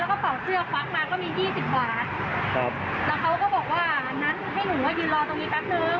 แล้วก็เป่าเสื้อควักมาก็มียี่สิบกว่าครับแล้วเขาก็บอกว่าอันนั้นให้หนูมายืนรอตรงนี้แป๊บนึง